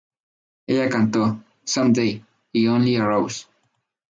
Ella cantó "Some Day" y "Only a Rose".